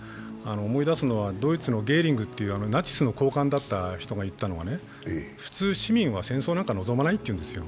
思い出すのはドイツのゲーリングというナチスの高官だった人が言ったのは、普通、市民は戦争なんか望まないっていうんですよ。